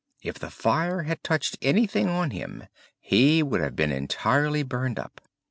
If the fire had touched anything on him he would have been entirely burned up.